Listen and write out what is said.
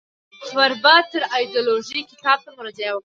فربه تر از ایدیالوژی کتاب ته مراجعه وکړئ.